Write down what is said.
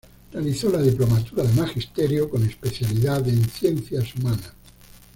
Realizó la Diplomatura de Magisterio, con especialidad en Ciencias Humanas.